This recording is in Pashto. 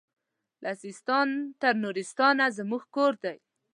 له سیستان تر نورستانه زموږ کور دی